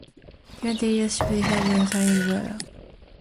Current leadership resides with Wadhawa Singh Babbar.